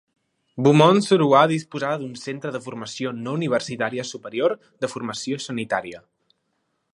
Beaumont-sur-Oise disposava d'un centre de formació no universitària superior de formació sanitària.